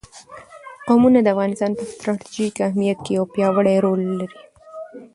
قومونه د افغانستان په ستراتیژیک اهمیت کې یو پیاوړی رول لري.